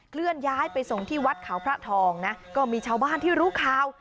เลื่อนย้ายไปส่งที่วัดเขาพระทองนะก็มีชาวบ้านที่รู้ข่าว